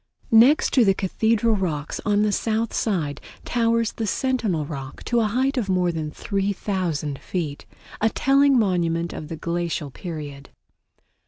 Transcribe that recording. Next to the Cathedral Rocks on the south side towers the Sentinel Rock to a height of more than 3000 feet, a telling monument of the glacial period.